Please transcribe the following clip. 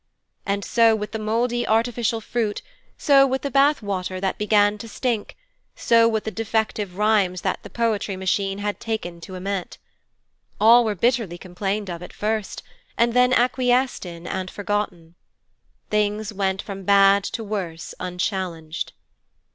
And so with the mouldy artificial fruit, so with the bath water that began to stink, so with the defective rhymes that the poetry machine had taken to emit. All were bitterly complained of at first, and then acquiesced in and forgotten. Things went from bad to worse unchallenged.